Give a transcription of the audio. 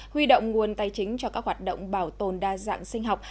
huy động nguồn tài chính cho các hoạt động bảo tồn đa dạng sinh học